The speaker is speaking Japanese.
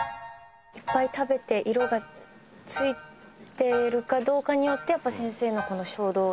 いっぱい食べて色が付いてるかどうかによってやっぱ先生のこの衝動が。